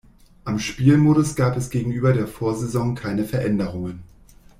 Am Spielmodus gab es gegenüber der Vorsaison keine Veränderungen.